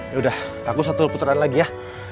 yaudah aku satu puteran lagi ya